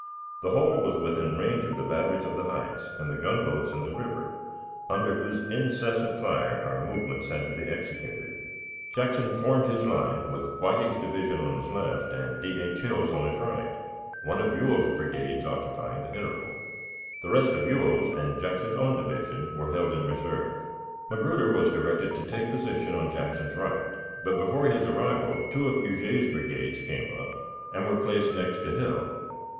The whole was within range of the batteries on the heights and the gunboats in the river, under whose incessant fire our movements had to be executed. Jackson formed his line with Whiting's division on his left and D. H. Hill's on his right, one of Ewell's brigades occupying the interval. The rest of Ewell's and Jackson's own division were held in reserve. Magruder was directed to take position on Jackson's right, but before his arrival two of Huger's brigades came up and were placed next to Hill.